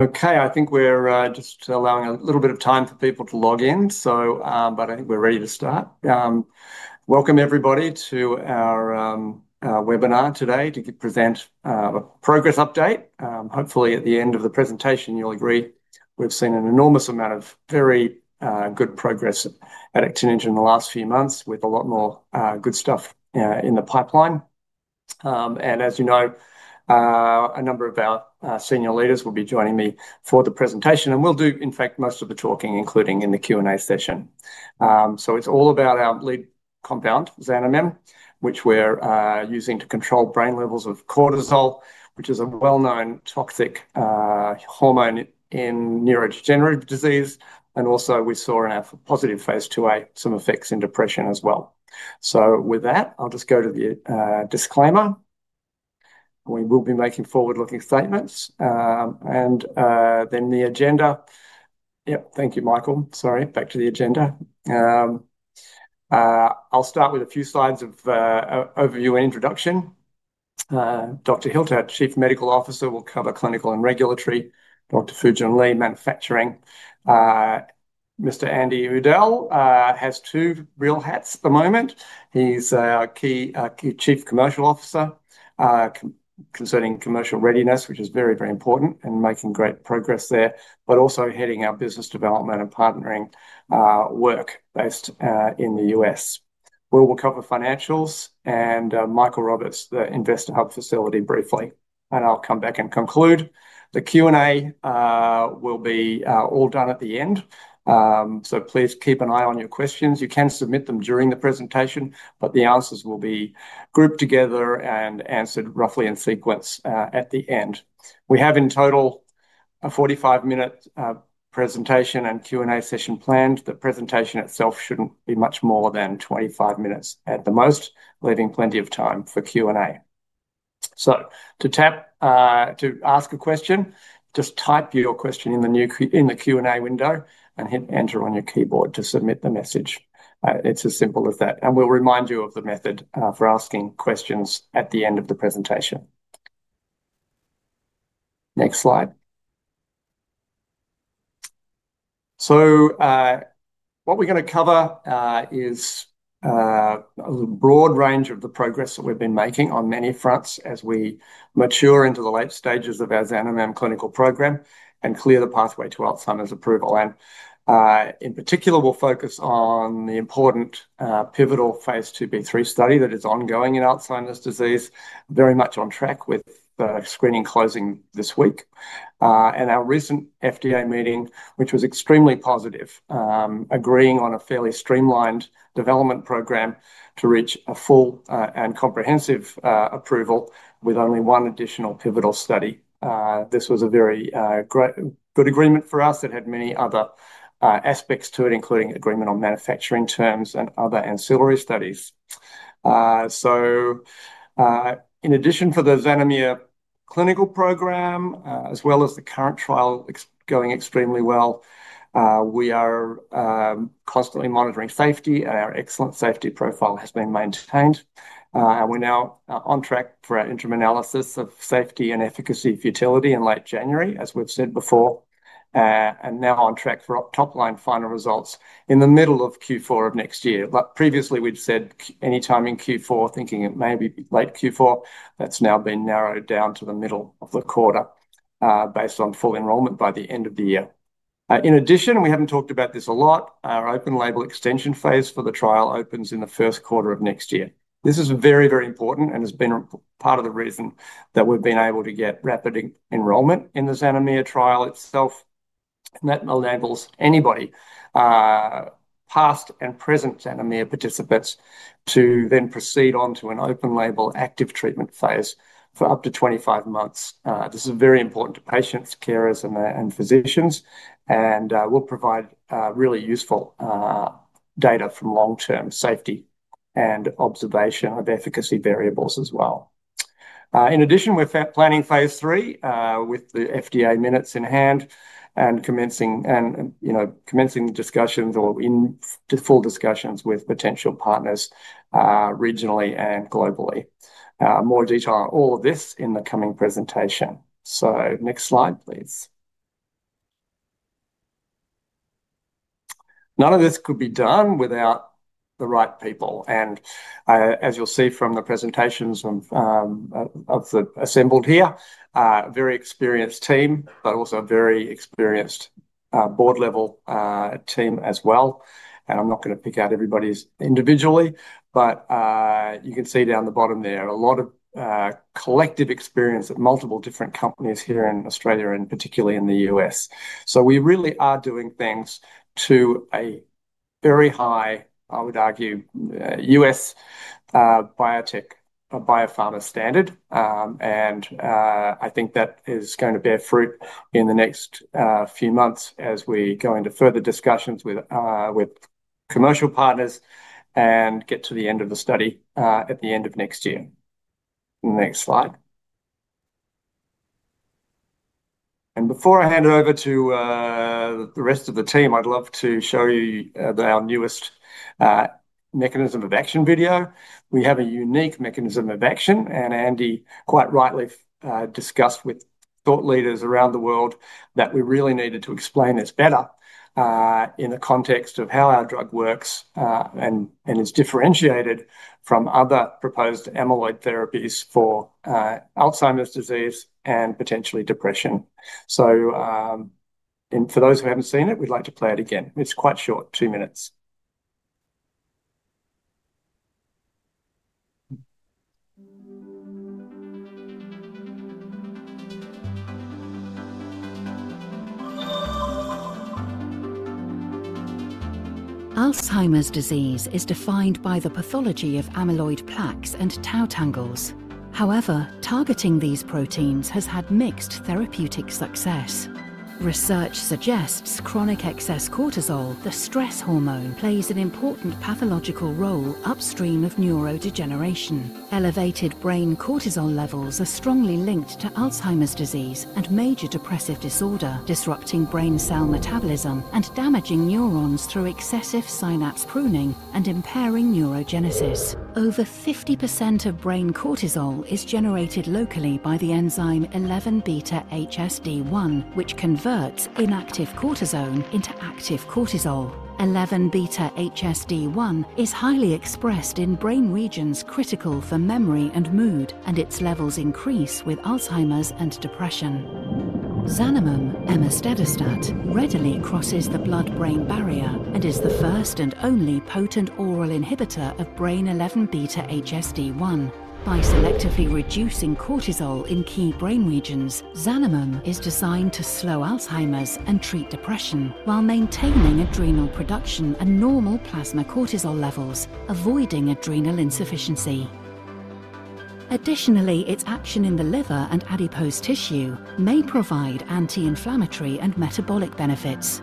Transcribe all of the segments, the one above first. Okay, I think we're just allowing a little bit of time for people to log in. I think we're ready to start. Welcome everybody to our webinar today to present a progress update. Hopefully, at the end of the presentation, you'll agree we've seen an enormous amount of very good progress at Actinogen in the last few months, with a lot more good stuff in the pipeline. As you know, a number of our senior leaders will be joining me for the presentation, and will do, in fact, most of the talking, including in the Q&A session. It's all about our lead compound, Xanamem®, which we're using to control brain levels of cortisol, which is a well-known toxic hormone in neurodegenerative disease. We also saw in our positive phase IIa some effects in depression as well. With that, I'll just go to the disclaimer. We will be making forward-looking statements. The agenda. Thank you, Michael. Sorry, back to the agenda. I'll start with a few slides of overview and introduction. Dr. Dana Hilt, Chief Medical Officer, will cover clinical and regulatory. Dr. Fujun Li, Manufacturing. Mr. Andy Udell has two real hats at the moment. He's our Chief Commercial Officer concerning commercial readiness, which is very, very important and making great progress there, but also heading our business development and partnering work based in the U.S. We will cover financials and Michael Roberts, the Investor Hub facility, briefly. I'll come back and conclude. The Q&A will be all done at the end. Please keep an eye on your questions. You can submit them during the presentation, but the answers will be grouped together and answered roughly in sequence at the end. We have in total a 45-minute presentation and Q&A session planned. The presentation itself shouldn't be much more than 25 minutes at the most, leaving plenty of time for Q&A. To ask a question, just type your question in the Q&A window and hit Enter on your keyboard to submit the message. It's as simple as that. We'll remind you of the method for asking questions at the end of the presentation. Next slide. What we're going to cover is a broad range of the progress that we've been making on many fronts as we mature into the late stages of our Xanamem® clinical program and clear the pathway to Alzheimer's approval. In particular, we'll focus on the important pivotal phase II-B/III study that is ongoing in Alzheimer's disease, very much on track with the screening closing this week, and our recent FDA meeting, which was extremely positive, agreeing on a fairly streamlined development program to reach a full and comprehensive approval with only one additional pivotal study. This was a very good agreement for us. It had many other aspects to it, including agreement on manufacturing terms and other ancillary studies. In addition, for the Xanamem® clinical program, as well as the current trial going extremely well, we are constantly monitoring safety, and our excellent safety profile has been maintained. We're now on track for our interim analysis of safety and efficacy of futility in late January, as we've said before, and now on track for top-line final results in the middle of Q4 of next year. Previously, we'd said any time in Q4, thinking it may be late Q4. That's now been narrowed down to the middle of the quarter based on full enrollment by the end of the year. In addition, we haven't talked about this a lot, our open label extension phase for the trial opens in the first quarter of next year. This is very, very important and has been part of the reason that we've been able to get rapid enrollment in the Xanamem® trial itself. That enables anybody, past and present Xanamem® participants, to then proceed on to an open label active treatment phase for up to 25 months. This is very important to patients, carers, and physicians, and will provide really useful data from long-term safety and observation of efficacy variables as well. In addition, we're planning phase III with the FDA minutes in hand and commencing discussions or in full discussions with potential partners regionally and globally. More detail on all of this in the coming presentation. Next slide, please. None of this could be done without the right people. As you'll see from the presentations of the assembled here, a very experienced team, but also a very experienced board-level team as well. I'm not going to pick out everybody individually, but you can see down the bottom there a lot of collective experience at multiple different companies here in Australia and particularly in the U.S. We really are doing things to a very high, I would argue, U.S. biotech or Biopharma standard. I think that is going to bear fruit in the next few months as we go into further discussions with commercial partners and get to the end of the study at the end of next year. Next slide. Before I hand it over to the rest of the team, I'd love to show you our newest mechanism of action video. We have a unique mechanism of action, and Andy quite rightly discussed with thought leaders around the world that we really needed to explain this better in the context of how our drug works and is differentiated from other proposed anti-amyloid therapies for Alzheimer’s disease and potentially depression. For those who haven't seen it, we'd like to play it again. It's quite short, two minutes. Alzheimer’s disease is defined by the pathology of amyloid plaques and tau tangles. However, targeting these proteins has had mixed therapeutic success. Research suggests chronic excess cortisol, the stress hormone, plays an important pathological role upstream of neurodegeneration. Elevated brain cortisol levels are strongly linked to Alzheimer’s disease and major depressive disorder, disrupting brain cell metabolism and damaging neurons through excessive synapse pruning and impairing neurogenesis. Over 50% of brain cortisol is generated locally by the enzyme 11β-HSD1, which converts inactive cortisone into active cortisol. 11β-HSD1 is highly expressed in brain regions critical for memory and mood, and its levels increase with Alzheimer’s and depression. Xanamem® (emestedastat) readily crosses the blood-brain barrier and is the first and only potent oral inhibitor of Brain 11β-HSD1. By selectively reducing cortisol in key brain regions, Xanamem® is designed to slow Alzheimer’s and treat depression while maintaining adrenal production and normal plasma cortisol levels, avoiding adrenal insufficiency. Additionally, its action in the liver and adipose tissue may provide anti-inflammatory and metabolic benefits.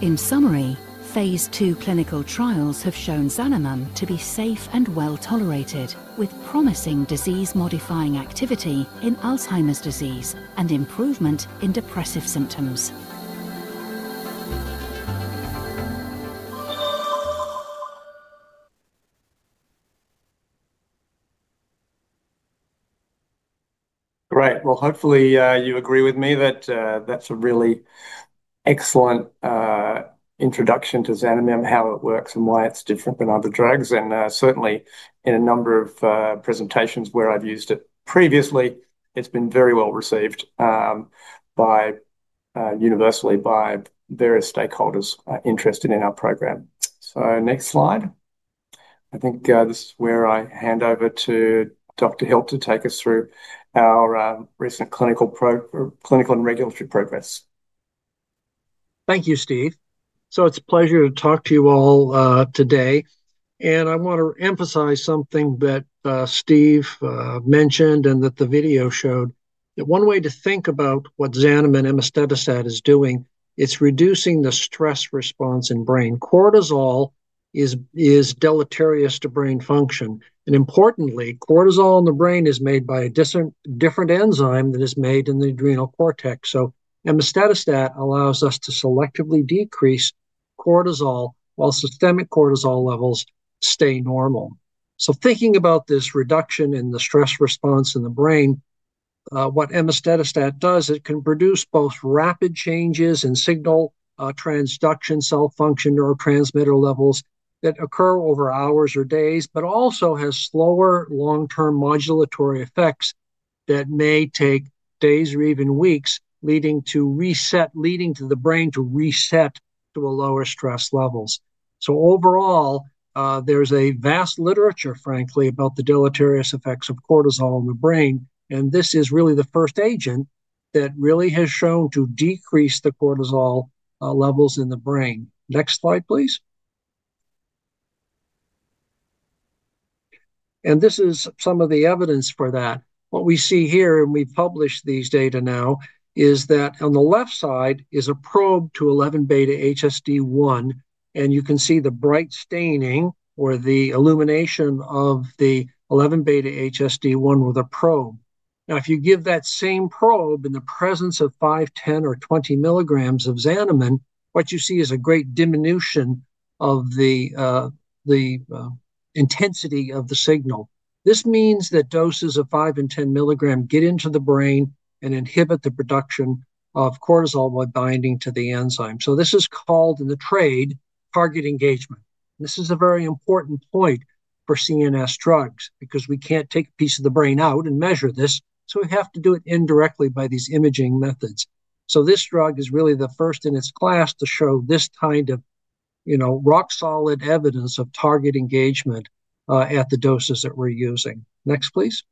In summary, phase II clinical trials have shown Xanamem® to be safe and well-tolerated, with promising disease-modifying activity in Alzheimer’s disease and improvement in depressive symptoms. Great. Hopefully you agree with me that that's a really excellent introduction to Xanamem®, how it works, and why it's different than other drugs. Certainly, in a number of presentations where I've used it previously, it's been very well received universally by various stakeholders interested in our program. Next slide. I think this is where I hand over to Dr. Hilt to take us through our recent clinical and regulatory progress. Thank you, Steve. It's a pleasure to talk to you all today. I want to emphasize something that Steve mentioned and that the video showed, that one way to think about what Xanamem®, emestedastat, is doing, it's reducing the stress response in brain. Cortisol is deleterious to brain function. Importantly, cortisol in the brain is made by a different enzyme than is made in the adrenal cortex. Emestedastat allows us to selectively decrease cortisol while systemic cortisol levels stay normal. Thinking about this reduction in the stress response in the brain, what emestedastat does, it can produce both rapid changes in signal transduction, cell function, neurotransmitter levels that occur over hours or days, but also has slower long-term modulatory effects that may take days or even weeks, leading the brain to reset to a lower stress level. Overall, there's a vast literature, frankly, about the deleterious effects of cortisol in the brain. This is really the first agent that really has shown to decrease the cortisol levels in the brain. Next slide, please. This is some of the evidence for that. What we see here, and we've published these data now, is that on the left side is a probe to 11β-HSD1. You can see the bright staining or the illumination of the 11β-HSD1 with a probe. If you give that same probe in the presence of 5, 10, or 20 mg of Xanamem®, what you see is a great diminution of the intensity of the signal. This means that doses of 5 mg and 10 mg get into the brain and inhibit the production of cortisol by binding to the enzyme. This is called in the Trade Target Engagement. This is a very important point for CNS drugs because we can't take a piece of the brain out and measure this. We have to do it indirectly by these imaging methods. This drug is really the first in its class to show this kind of, you know, rock-solid evidence of target engagement at the doses that we're using. Next, please.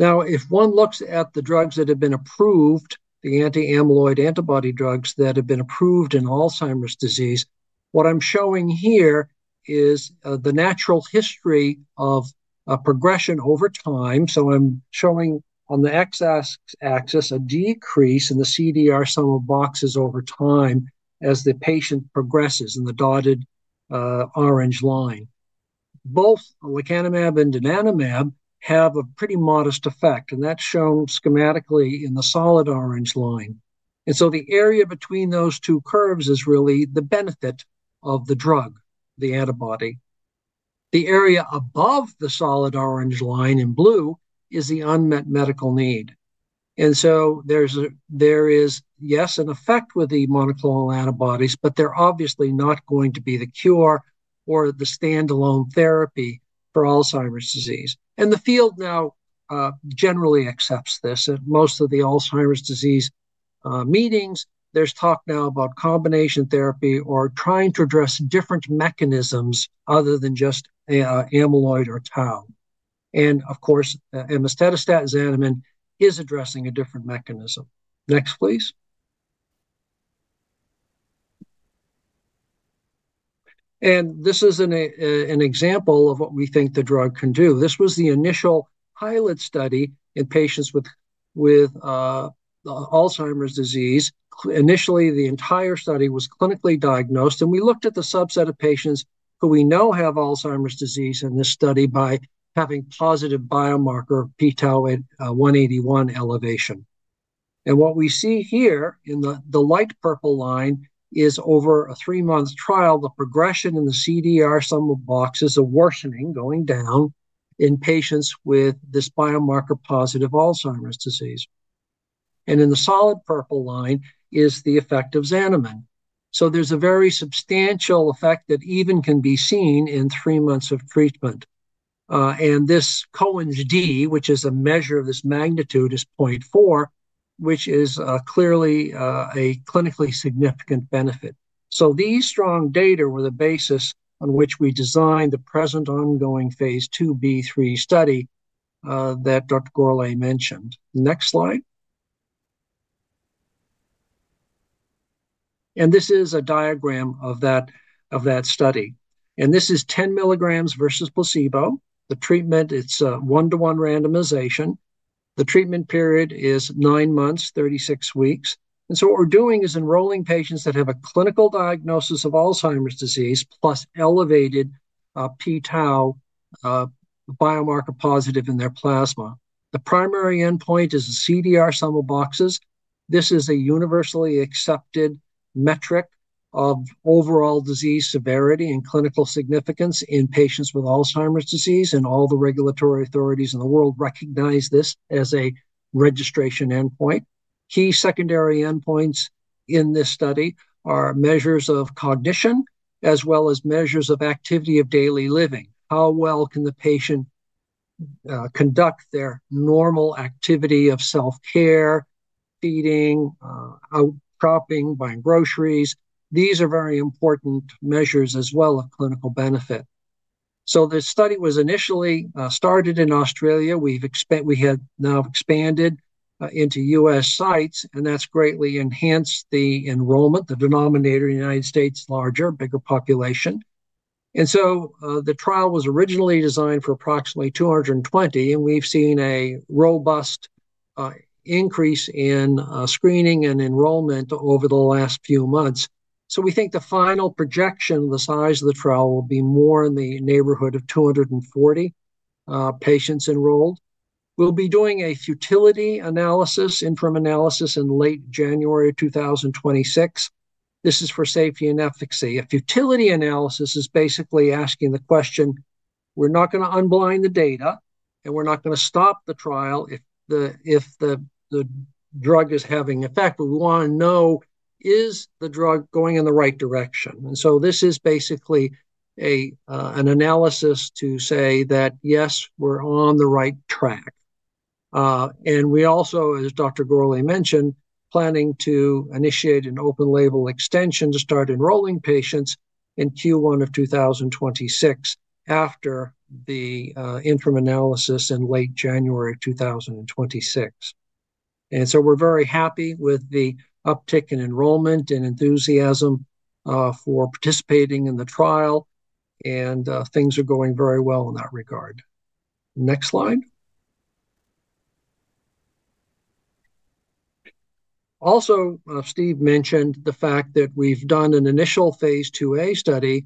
If one looks at the drugs that have been approved, the anti-amyloid antibody drugs that have been approved in Alzheimer's disease, what I'm showing here is the natural history of progression over time. I'm showing on the x-axis a decrease in the CDR sum of boxes over time as the patient progresses in the dotted orange line. Both lecanemab and donanemab have a pretty modest effect, and that's shown schematically in the solid orange line. The area between those two curves is really the benefit of the drug, the antibody. The area above the solid orange line in blue is the unmet medical need. There is, yes, an effect with the monoclonal antibodies, but they're obviously not going to be the cure or the standalone therapy for Alzheimer's disease. The field now generally accepts this. At most of the Alzheimer's disease meetings, there's talk now about combination therapy or trying to address different mechanisms other than just amyloid or tau. Of course, Xanamem® is addressing a different mechanism. Next, please. This is an example of what we think the drug can do. This was the initial pilot study in patients with Alzheimer's disease. Initially, the entire study was clinically diagnosed, and we looked at the subset of patients who we know have Alzheimer's disease in this study by having positive biomarker pTau181 elevation. What we see here in the light purple line is over a three-month trial, the progression in the CDR sum of boxes of worsening going down in patients with this biomarker-positive Alzheimer's disease. In the solid purple line is the effect of Xanamem®. There's a very substantial effect that even can be seen in three months of treatment. This Cohen's D, which is a measure of this magnitude, is 0.4, which is clearly a clinically significant benefit. These strong data were the basis on which we designed the present ongoing phase II-B/III study that Dr. Gourlay mentioned. Next slide. This is a diagram of that study. This is 10 mg vs placebo. The treatment, it's one-to-one randomization. The treatment period is nine months, 36 weeks. What we're doing is enrolling patients that have a clinical diagnosis of Alzheimer's disease plus elevated pTau biomarker positive in their plasma. The primary endpoint is the CDR sum of boxes. This is a universally accepted metric of overall disease severity and clinical significance in patients with Alzheimer's disease. All the regulatory authorities in the world recognize this as a registration endpoint. Key secondary endpoints in this study are measures of cognition, as well as measures of activity of daily living. How well can the patient conduct their normal activity of self-care, feeding, out shopping, buying groceries? These are very important measures as well of clinical benefit. The study was initially started in Australia. We've expanded, we have now expanded into U.S. sites, and that's greatly enhanced the enrollment, the denominator in the United States, larger, bigger population. The trial was originally designed for approximately 220, and we've seen a robust increase in screening and enrollment over the last few months. We think the final projection of the size of the trial will be more in the neighborhood of 240 patients enrolled. We'll be doing a futility analysis, interim analysis, in late January of 2026. This is for safety and efficacy. A futility analysis is basically asking the question, we're not going to unblind the data, and we're not going to stop the trial if the drug is having effect. We want to know, is the drug going in the right direction? This is basically an analysis to say that, yes, we're on the right track. We also, as Dr. Gourlay mentioned, are planning to initiate an open label extension to start enrolling patients in Q1 of 2026 after the interim analysis in late January of 2026. We're very happy with the uptick in enrollment and enthusiasm for participating in the trial, and things are going very well in that regard. Next slide. Also, Steve mentioned the fact that we've done an initial phase II-A study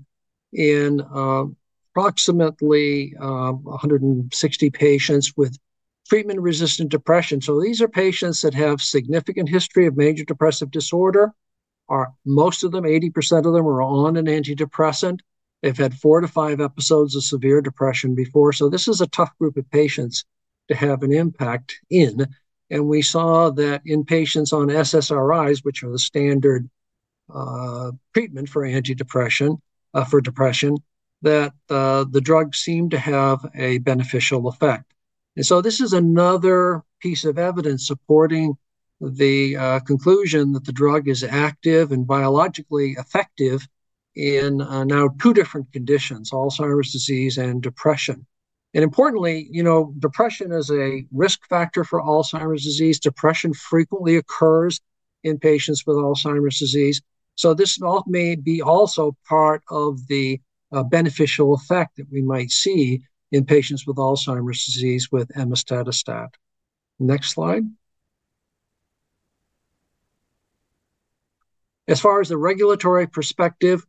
in approximately 160 patients with treatment-resistant depression. These are patients that have a significant history of major depressive disorder. Most of them, 80% of them, are on an antidepressant. They've had 4-5 episodes of severe depression before. This is a tough group of patients to have an impact in. We saw that in patients on SSRIs, which are the standard treatment for depression, that the drug seemed to have a beneficial effect. This is another piece of evidence supporting the conclusion that the drug is active and biologically effective in now two different conditions, Alzheimer’s disease and depression. Importantly, you know, depression is a risk factor for Alzheimer’s disease. Depression frequently occurs in patients with Alzheimer’s disease. This may be also part of the beneficial effect that we might see in patients with Alzheimer’s disease with emestedastat. Next slide. As far as the regulatory perspective,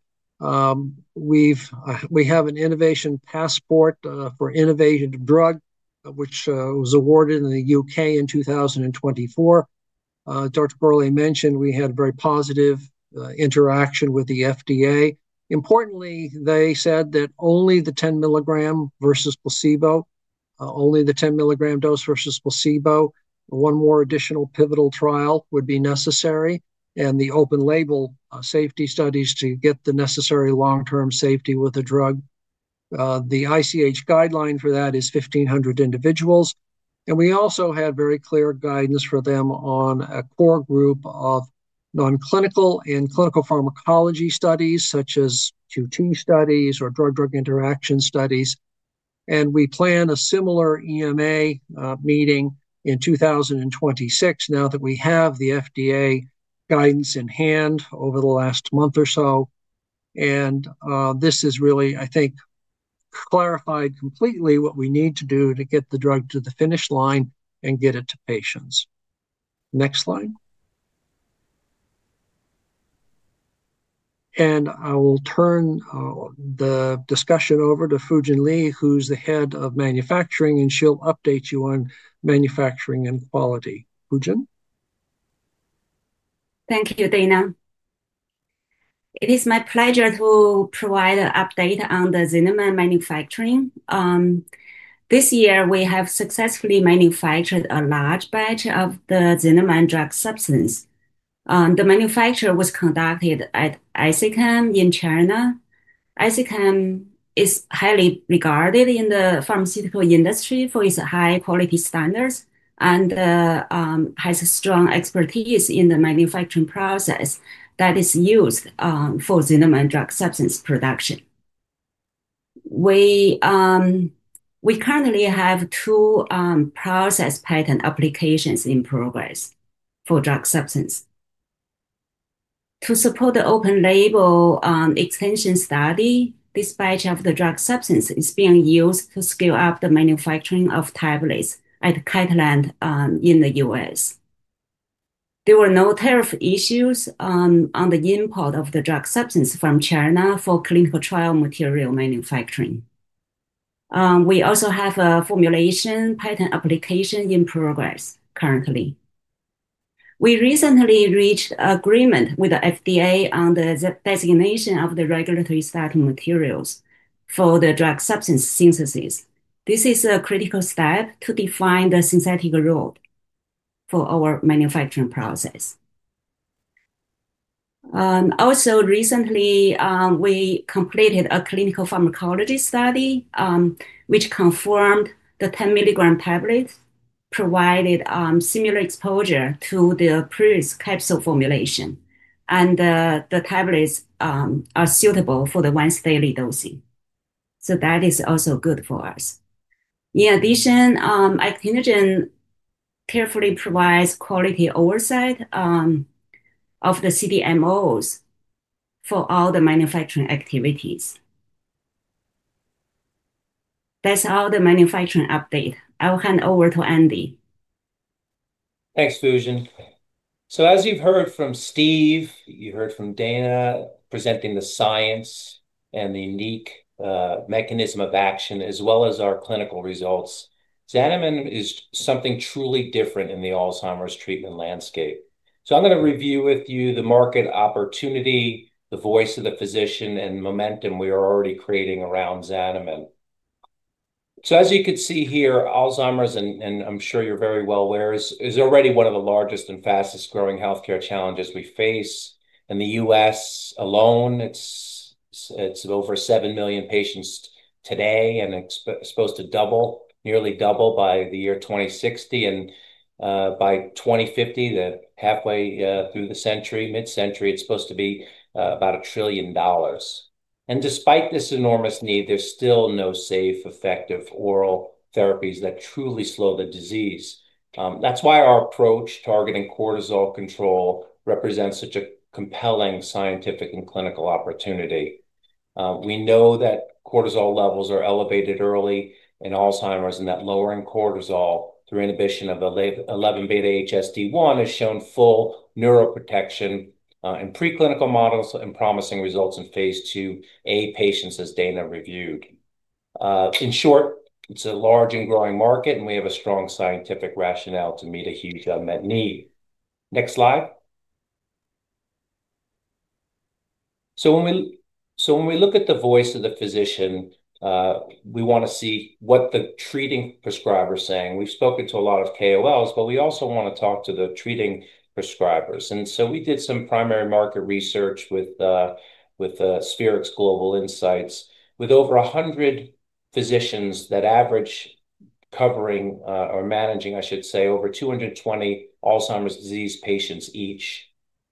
we have an Innovation Passport for innovative drug, which was awarded in the U.K., in 2024. Dr. Gourlay mentioned we had a very positive interaction with the U.S. Food and Drug Administration. Importantly, they said that only the 10 mg vs placebo, only the 10 mgdose vs placebo, one more additional pivotal trial would be necessary, and the open-label safety studies to get the necessary long-term safety with the drug. The ICH guideline for that is 1,500 individuals. We also had very clear guidance from them on a core group of non-clinical and clinical pharmacology studies, such as QT studies or drug-drug interaction studies. We plan a similar EMA meeting in 2026, now that we have the U.S. FDA guidance in hand over the last month or so. This has really, I think, clarified completely what we need to do to get the drug to the finish line and get it to patients. Next slide. I will turn the discussion over to Dr. Fujun Li, who's the Head of Manufacturing, and she'll update you on manufacturing and quality. Fujun. Thank you, Dana. It is my pleasure to provide an update on the Xanamem® manufacturing. This year, we have successfully manufactured a large batch of the Xanamem® drug substance. The manufacture was conducted at IC Chem in China. IC Chem is highly regarded in the pharmaceutical industry for its high-quality standards and has strong expertise in the manufacturing process that is used for Xanamem® drug substance production. We currently have two process patent applications in progress for drug substance. To support the open label extension study, this batch of the drug substance is being used to scale up the manufacturing of tablets at Cortland in the U.S. There were no tariff issues on the import of the drug substance from China for clinical trial material manufacturing. We also have a formulation patent application in progress currently. We recently reached agreement with the FDA on the designation of the regulatory starting materials for the drug substance synthesis. This is a critical step to define the synthetic role for our manufacturing process. Also, recently, we completed a clinical pharmacology study, which confirmed the 10 mg tablets provided similar exposure to the Prevus capsule formulation, and the tablets are suitable for the once-daily dosing. That is also good for us. In addition, Actinogen carefully provides quality oversight of the CDMOs for all the manufacturing activities. That's all the manufacturing update. I'll hand over to Andy. Thanks, Fujun. As you've heard from Steve, you heard from Dana presenting the science and the unique mechanism of action, as well as our clinical results, Xanamem® is something truly different in the Alzheimer's treatment landscape. I am going to review with you the market opportunity, the voice of the physician, and momentum we are already creating around Xanamem®. As you can see here, Alzheimer's, and I'm sure you're very well aware, is already one of the largest and fastest growing healthcare challenges we face in the U.S. alone. It's over 7 million patients today and is supposed to double, nearly double by the year 2060. By 2050, halfway through the century, mid-century, it's supposed to be about a trillion dollars. Despite this enormous need, there's still no safe, effective oral therapies that truly slow the disease. That's why our approach targeting cortisol control represents such a compelling scientific and clinical opportunity. We know that cortisol levels are elevated early in Alzheimer's, and that lowering cortisol through inhibition of the 11β-HSD1 has shown full neuroprotection in preclinical models and promising results in phase II-A patients, as Dana reviewed. In short, it's a large and growing market, and we have a strong scientific rationale to meet a huge unmet need. Next slide. When we look at the voice of the physician, we want to see what the treating prescriber is saying. We've spoken to a lot of KOLs, but we also want to talk to the treating prescribers. We did some primary market research with Spherics Global Insights with over 100 physicians that average covering or managing, I should say, over 220 Alzheimer's disease patients each.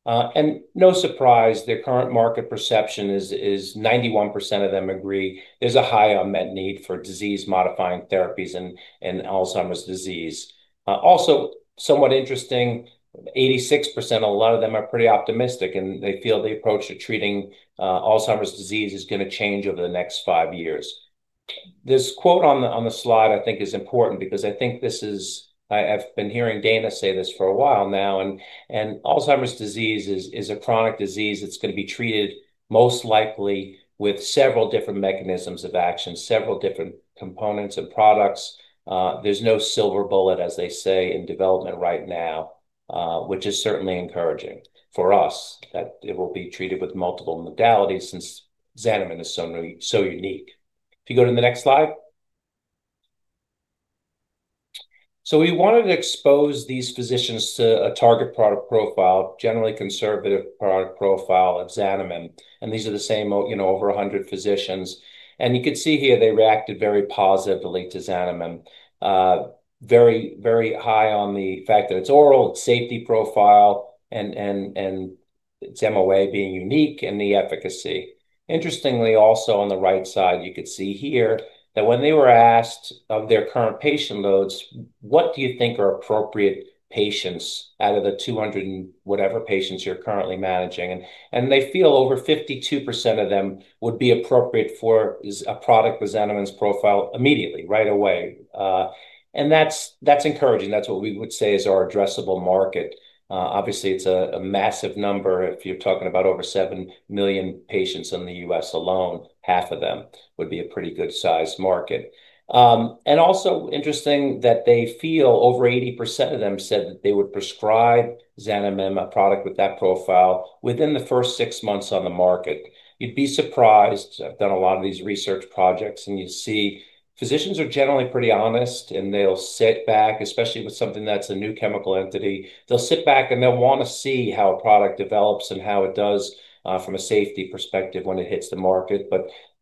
No surprise, their current market perception is 91% of them agree there's a high unmet need for disease-modifying therapies in Alzheimer's disease. Also, somewhat interesting, 86%, a lot of them are pretty optimistic, and they feel the approach to treating Alzheimer's disease is going to change over the next five years. This quote on the slide, I think, is important because I think this is, I've been hearing Dana say this for a while now, and Alzheimer's disease is a chronic disease that's going to be treated most likely with several different mechanisms of action, several different components and products. There's no silver bullet, as they say, in development right now, which is certainly encouraging for us that it will be treated with multiple modalities since Xanamem® is so unique. If you go to the next slide. We wanted to expose these physicians to a target product profile, generally conservative product profile of Xanamem®. These are the same, you know, over 100 physicians. You could see here they reacted very positively to Xanamem®, very, very high on the fact that its oral safety profile and its MOA being unique and the efficacy. Interestingly, also on the right side, you could see here that when they were asked of their current patient loads, what do you think are appropriate patients out of the 200 and whatever patients you're currently managing? They feel over 52% of them would be appropriate for a product with Xanamem®'s profile immediately, right away. That's encouraging. That's what we would say is our addressable market. Obviously, it's a massive number. If you're talking about over 7 million patients in the U.S. alone, half of them would be a pretty good-sized market. Also interesting that they feel over 80% of them said that they would prescribe Xanamem®, a product with that profile, within the first six months on the market. You'd be surprised. I've done a lot of these research projects, and you see physicians are generally pretty honest, and they'll sit back, especially with something that's a new chemical entity. They'll sit back, and they'll want to see how a product develops and how it does from a safety perspective when it hits the market.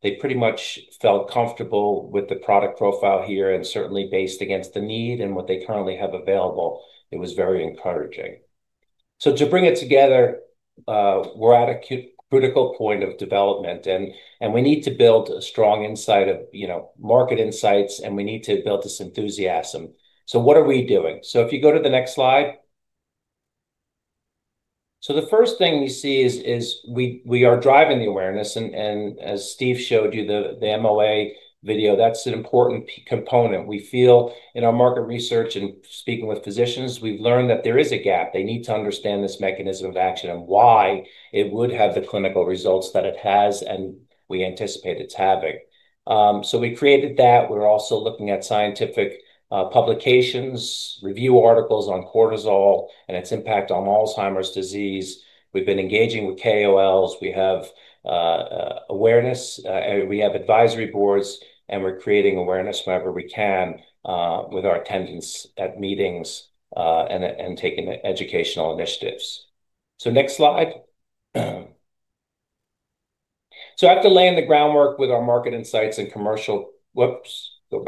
They pretty much felt comfortable with the product profile here and certainly based against the need and what they currently have available. It was very encouraging. To bring it together, we're at a critical point of development, and we need to build a strong insight of market insights, and we need to build this enthusiasm. What are we doing? If you go to the next slide. The first thing you see is we are driving the awareness. As Steve showed you the MOA video, that's an important component. We feel in our market research and speaking with physicians, we've learned that there is a gap. They need to understand this mechanism of action and why it would have the clinical results that it has and we anticipate it's having. We created that. We're also looking at scientific publications, review articles on cortisol and its impact on Alzheimer's disease. We've been engaging with KOLs. We have awareness. We have advisory boards, and we're creating awareness wherever we can with our attendance at meetings and taking educational initiatives. Next slide. After laying the groundwork with our market insights and commercial—whoops, go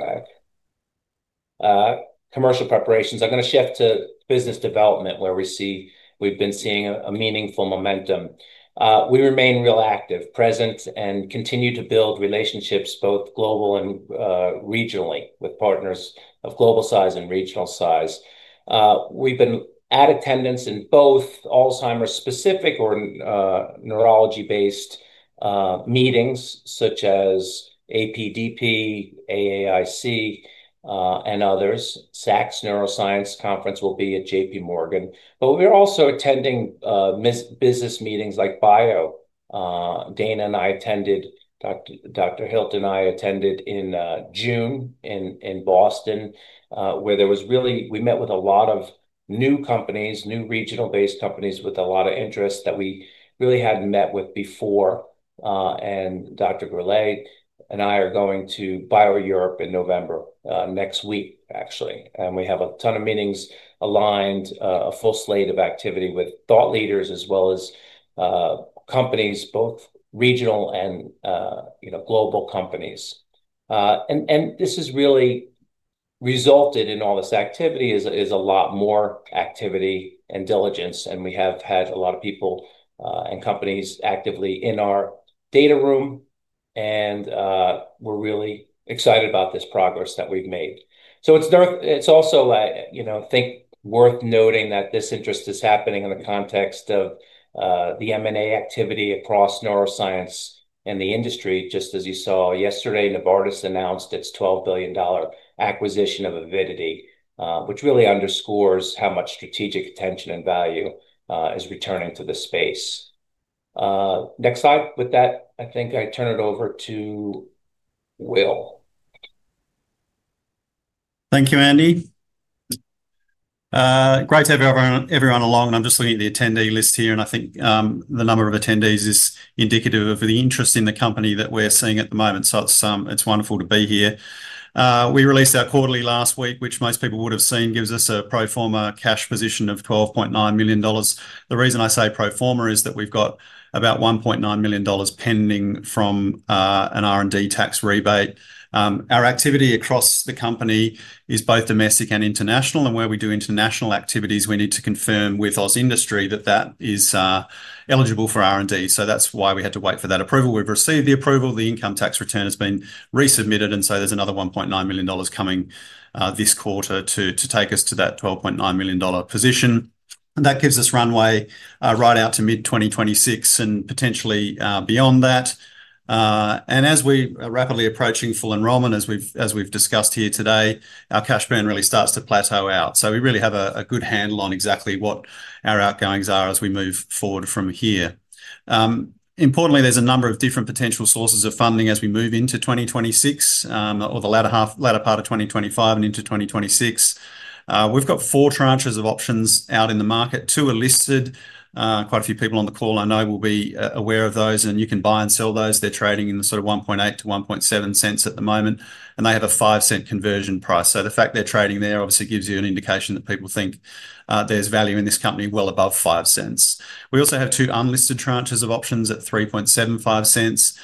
back—commercial preparations, I'm going to shift to business development where we see we've been seeing meaningful momentum. We remain real active, present, and continue to build relationships both global and regionally with partners of global size and regional size. We've been at attendance in both Alzheimer's-specific or neurology-based meetings such as APDP, AAIC, and others. SACS Neuroscience Conference will be at JPMorgan. We're also attending business meetings like BIO. Dana and I attended, Dr. Hilt and I attended in June in Boston, where there was really—we met with a lot of new companies, new regional-based companies with a lot of interest that we really hadn't met with before. Dr. Gourlay and I are going to BIO Europe in November next week, actually. We have a ton of meetings aligned, a full slate of activity with thought leaders as well as companies, both regional and, you know, global companies. This has really resulted in all this activity is a lot more activity and diligence. We have had a lot of people and companies actively in our data room, and we're really excited about this progress that we've made. It's also, I think, worth noting that this interest is happening in the context of the M&A activity across neuroscience and the industry. Just as you saw yesterday, Novartis announced its 12 billion dollar acquisition of Avidity, which really underscores how much strategic attention and value is returning to the space. Next slide. With that, I think I turn it over to Will. Thank you, Andy. Great to have everyone along. I'm just looking at the attendee list here, and I think the number of attendees is indicative of the interest in the company that we're seeing at the moment. It is wonderful to be here. We released our quarterly last week, which most people would have seen, gives us a pro forma cash position of 12.9 million dollars. The reason I say pro forma is that we've got about 1.9 million dollars pending from an R&D tax rebate. Our activity across the company is both domestic and international. Where we do international activities, we need to confirm with our industry that that is eligible for R&D. That is why we had to wait for that approval. We've received the approval. The income tax return has been resubmitted. There is another 1.9 million dollars coming this quarter to take us to that 12.9 million dollar position. That gives us runway right out to mid-2026 and potentially beyond that. As we are rapidly approaching full enrollment, as we've discussed here today, our cash burn really starts to plateau out. We really have a good handle on exactly what our outgoings are as we move forward from here. Importantly, there are a number of different potential sources of funding as we move into 2026 or the latter part of 2025 and into 2026. We've got four tranches of options out in the market. Two are listed. Quite a few people on the call, I know, will be aware of those. You can buy and sell those. They're trading in the sort of 0.018 to 0.017 at the moment. They have a 0.05 conversion price. The fact they're trading there obviously gives you an indication that people think there's value in this company well above 0.05. We also have two unlisted tranches of options at 0.0375.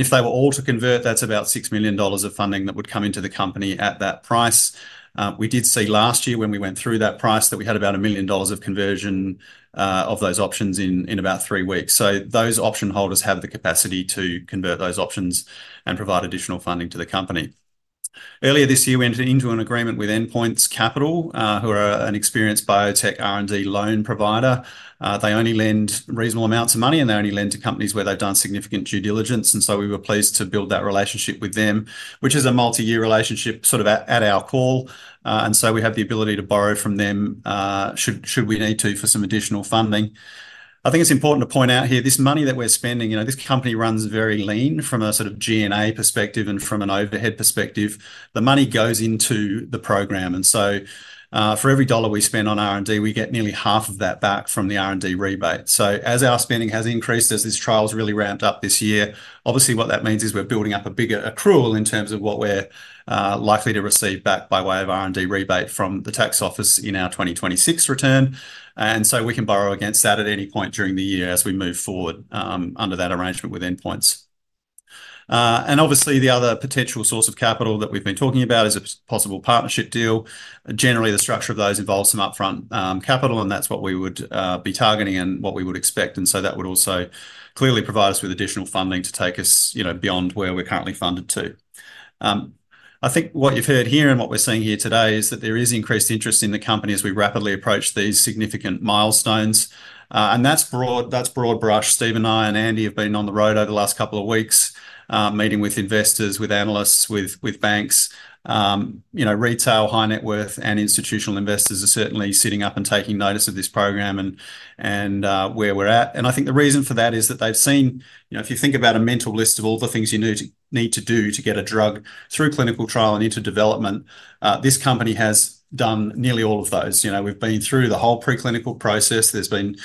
If they were all to convert, that's about 6 million dollars of funding that would come into the company at that price. We did see last year when we went through that price that we had about 1 million dollars of conversion of those options in about three weeks. Those option holders have the capacity to convert those options and provide additional funding to the company. Earlier this year, we entered into an agreement with Endpoints Capital, who are an experienced biotech R&D loan provider. They only lend reasonable amounts of money, and they only lend to companies where they've done significant due diligence. We were pleased to build that relationship with them, which is a multi-year relationship at our call. We have the ability to borrow from them should we need to for some additional funding. I think it's important to point out here this money that we're spending, you know, this company runs very lean from a sort of G&A perspective and from an overhead perspective. The money goes into the program. For every dollar we spend on R&D, we get nearly 50% of that back from the R&D rebate. As our spending has increased, as this trial has really ramped up this year, obviously what that means is we're building up a bigger accrual in terms of what we're likely to receive back by way of R&D rebate from the tax office in our 2026 return. We can borrow against that at any point during the year as we move forward under that arrangement with Endpoints Capital. The other potential source of capital that we've been talking about is a possible partnership deal. Generally, the structure of those involves some upfront capital, and that's what we would be targeting and what we would expect. That would also clearly provide us with additional funding to take us beyond where we're currently funded to. I think what you've heard here and what we're seeing here today is that there is increased interest in the company as we rapidly approach these significant milestones. That's broad brush. Steve and I and Andy have been on the road over the last couple of weeks, meeting with investors, with analysts, with banks, retail, high net worth, and institutional investors are certainly sitting up and taking notice of this program and where we're at. I think the reason for that is that they've seen, you know, if you think about a mental list of all the things you need to do to get a drug through clinical trial and into development, this company has done nearly all of those. We've been through the whole preclinical process. There's been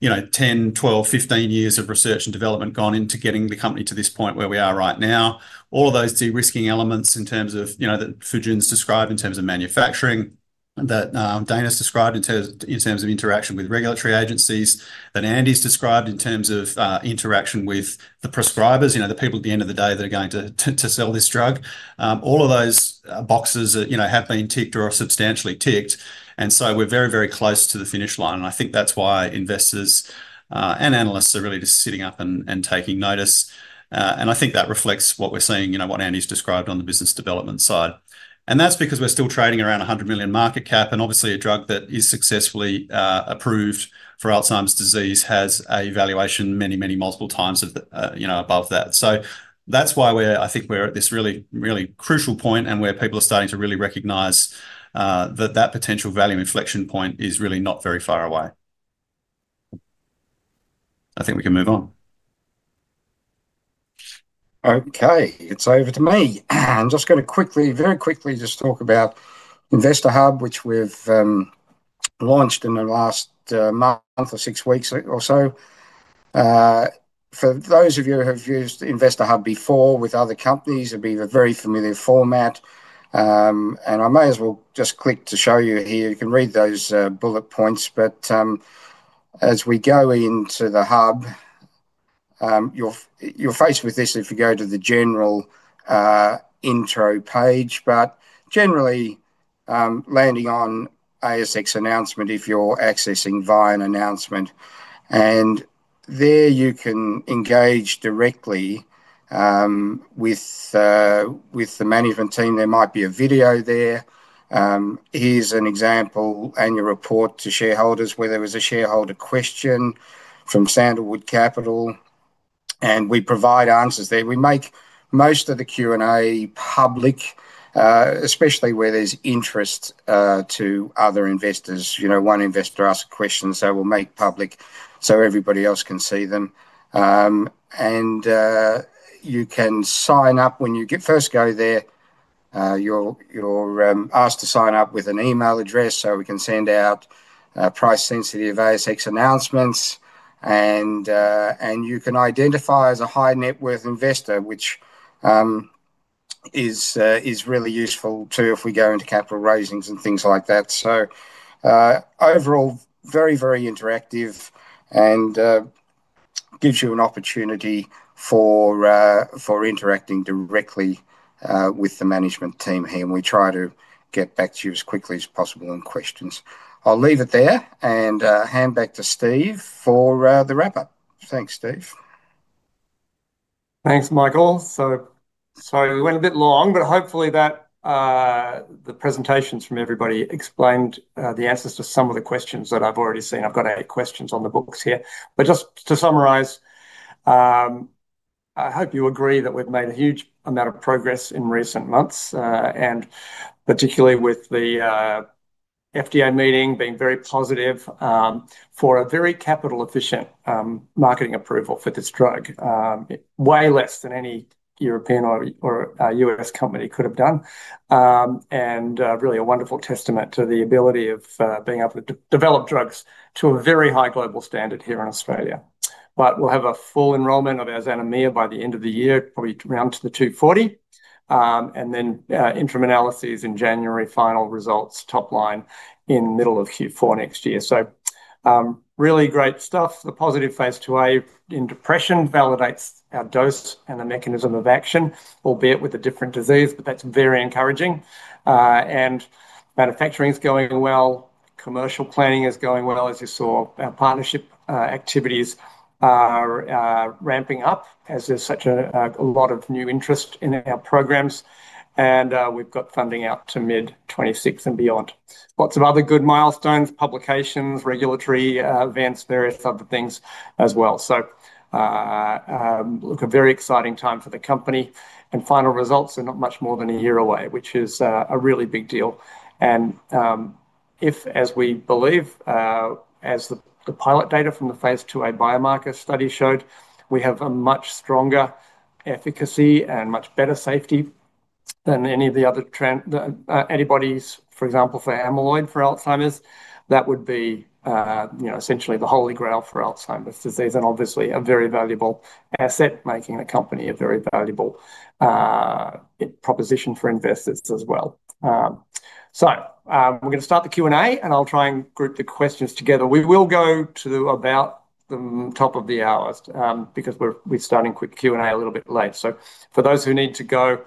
10, 12, 15 years of research and development gone into getting the company to this point where we are right now. All of those de-risking elements in terms of, you know, that Dr. Fujun's described in terms of manufacturing, that Dr. Dana's described in terms of interaction with regulatory agencies, that Andy's described in terms of interaction with the prescribers, the people at the end of the day that are going to sell this drug. All of those boxes have been ticked or substantially ticked. We're very, very close to the finish line. I think that's why investors and analysts are really just sitting up and taking notice. I think that reflects what we're seeing, you know, what Andy's described on the business development side. That's because we're still trading around 100 million market cap. Obviously, a drug that is successfully approved for Alzheimer's disease has a valuation many, many multiple times above that. That's why I think we're at this really, really crucial point where people are starting to really recognize that potential value inflection point is really not very far away. I think we can move on. Okay, it's over to me. I'm just going to quickly, very quickly, just talk about Investor Hub, which we've launched in the last month or six weeks or so. For those of you who have used Investor Hub before with other companies, it'd be the very familiar format. I may as well just click to show you here. You can read those bullet points. As we go into the hub, you're faced with this if you go to the general intro page, but generally landing on ASX announcement if you're accessing via an announcement. There you can engage directly with the management team. There might be a video there. Here's an example, annual report to shareholders where there was a shareholder question from Sandalwood Capital. We provide answers there. We make most of the Q&A public, especially where there's interest to other investors. One investor asked a question, so we'll make public so everybody else can see them. You can sign up when you first go there. You're asked to sign up with an email address so we can send out price-sensitive ASX announcements. You can identify as a high net worth investor, which is really useful too if we go into capital raisings and things like that. Overall, very, very interactive and gives you an opportunity for interacting directly with the management team here. We try to get back to you as quickly as possible on questions. I'll leave it there and hand back to Steve for the wrap-up. Thanks, Steve. Thanks, Michael. Sorry we went a bit long, but hopefully the presentations from everybody explained the answers to some of the questions that I've already seen. I've got eight questions on the books here. Just to summarize, I hope you agree that we've made a huge amount of progress in recent months, particularly with the FDA meeting being very positive for a very capital-efficient marketing approval for this drug, way less than any European or U.S. company could have done. It is really a wonderful testament to the ability of being able to develop drugs to a very high global standard here in Australia. We'll have a full enrollment of our Xanamem® by the end of the year, probably around the 240. Interim analyses in January, final results, top line in the middle of Q4 next year. Really great stuff. The positive phase II-A in depression validates our dose and the mechanism of action, albeit with a different disease, but that's very encouraging. Manufacturing is going well. Commercial planning is going well, as you saw. Our partnership activities are ramping up as there's such a lot of new interest in our programs. We've got funding out to mid-2026 and beyond. Lots of other good milestones, publications, regulatory events, various other things as well. A very exciting time for the company. Final results are not much more than a year away, which is a really big deal. If, as we believe, as the pilot data from the phase IIa biomarker study showed, we have a much stronger efficacy and much better safety than any of the other antibodies, for example, for amyloid for Alzheimer's, that would be essentially the holy grail for Alzheimer's disease and obviously a very valuable asset, making the company a very valuable proposition for investors as well. We're going to start the Q&A, and I'll try and group the questions together. We will go to about the top of the hour because we're starting Q&A a little bit late. For those who need to go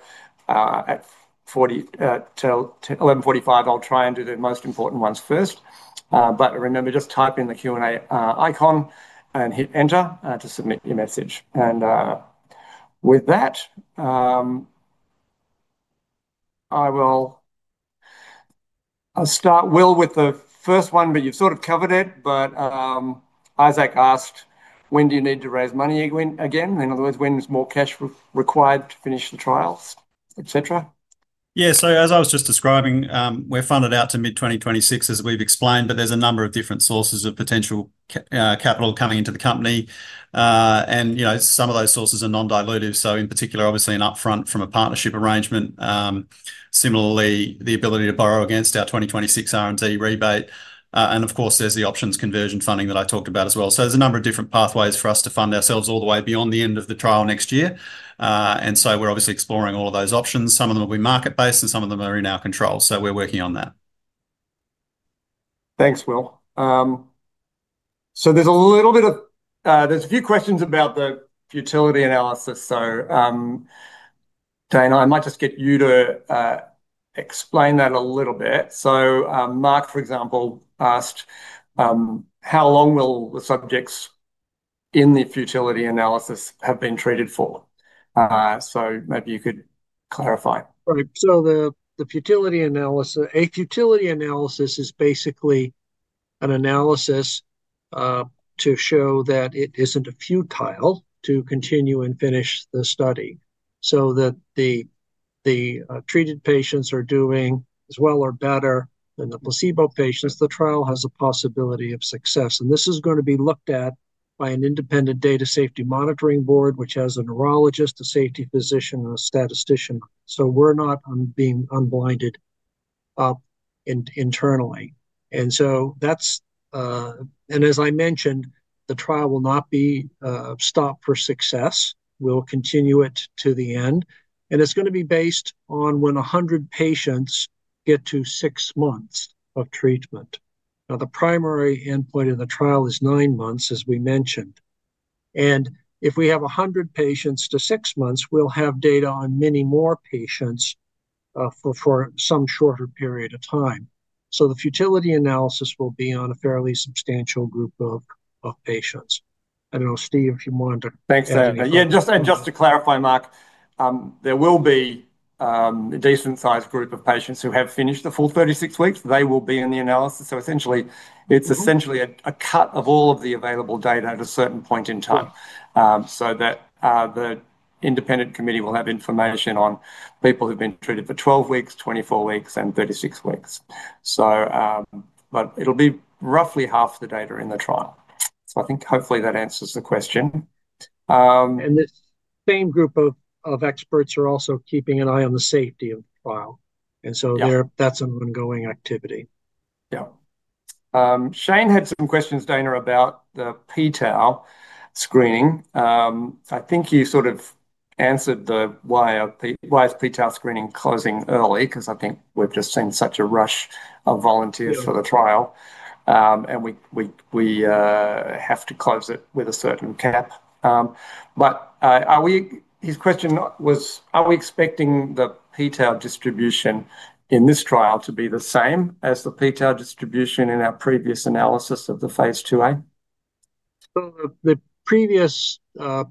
at 11β-HSD 1:45 A.M., I'll try and do the most important ones first. Remember, just type in the Q&A icon and hit Enter to submit your message. With that, I will start, Will, with the first one, but you've sort of covered it. Isaac asked, when do you need to raise money again? In other words, when is more cash required to finish the trials, etc.? Yeah, as I was just describing, we're funded out to mid-2026, as we've explained, but there's a number of different sources of potential capital coming into the company. Some of those sources are non-dilutive, in particular, obviously an upfront from a partnership arrangement. Similarly, the ability to borrow against our 2026 R&D rebate. Of course, there's the options conversion funding that I talked about as well. There's a number of different pathways for us to fund ourselves all the way beyond the end of the trial next year. We're obviously exploring all of those options. Some of them will be market-based and some of them are in our control. We're working on that. Thanks, Will. There's a little bit of, there's a few questions about the futility analysis. Dana, I might just get you to explain that a little bit. Mark, for example, asked how long will the subjects in the futility analysis have been treated for. Maybe you could clarify. Right. The futility analysis, a futility analysis is basically an analysis to show that it isn't futile to continue and finish the study. If the treated patients are doing as well or better than the placebo patients, the trial has a possibility of success. This is going to be looked at by an independent data safety monitoring board, which has a neurologist, a safety physician, and a statistician. We're not being unblinded internally. As I mentioned, the trial will not be stopped for success. We'll continue it to the end. It's going to be based on when 100 patients get to six months of treatment. The primary endpoint in the trial is nine months, as we mentioned. If we have 100 patients to six months, we'll have data on many more patients for some shorter period of time. The futility analysis will be on a fairly substantial group of patients. I don't know, Steve, if you wanted to. Thanks, Andy. Just to clarify, Mark, there will be a decent-sized group of patients who have finished the full 36 weeks. They will be in the analysis. Essentially, it's a cut of all of the available data at a certain point in time so that the independent committee will have information on people who've been treated for 12 weeks, 24 weeks, and 36 weeks. It'll be roughly half the data in the trial. I think hopefully that answers the question. This same group of experts are also keeping an eye on the safety of the trial, and that's an ongoing activity. Yeah. Shane had some questions, Dana, about the pTau screening. I think you sort of answered the why is pTau screening closing early, because I think we've just seen such a rush of volunteers for the trial. We have to close it with a certain cap. His question was, are we expecting the pTau distribution in this trial to be the same as the pTau distribution in our previous analysis of the phase II-A? The previous phase